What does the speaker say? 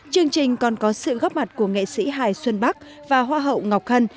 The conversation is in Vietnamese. chương trình còn có sự góp mặt của nghệ sĩ hải xuân bắc và hoa hậu ngọc hân